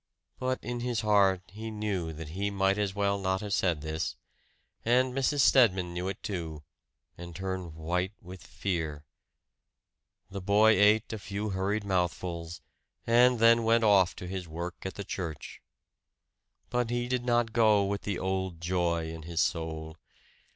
But in his heart he knew that he might as well not have said this. And Mrs. Stedman knew it, too, and turned white with fear. The boy ate a few hurried mouthfuls, and then went off to his work at the church. But he did not go with the old joy in his soul.